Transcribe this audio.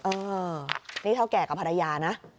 เออนี่เท่าแก่กับภรรยานะ